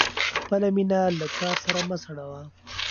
خپله مینه له کار سره مه سړوه.